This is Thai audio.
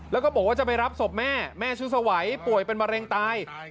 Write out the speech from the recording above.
แล้วก็บอกว่าจะไปรับศพแม่แม่ชื่อสวัยป่วยเป็นมะเร็งตาย